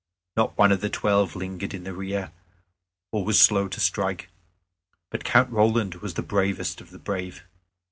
Not one of the Twelve lingered in the rear, or was slow to strike, but Count Roland was the bravest of the brave.